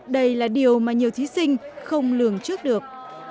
đây là điều mà nhiều thí sinh không lường trước được